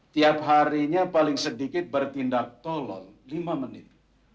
tiap harinya paling sedikit bertindak tolong lima menit